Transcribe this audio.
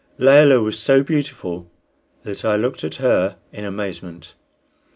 Layelah was so beautiful that I looked at her in amazement.